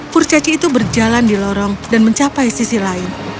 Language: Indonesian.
kurcaci itu berjalan di lorong dan mencapai sisi lain